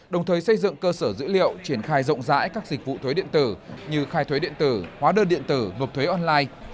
đồng thời xây dựng cơ sở dữ liệu triển khai rộng rãi các dịch vụ thuế điện tử như khai thuế điện tử hóa đơn điện tử nộp thuế online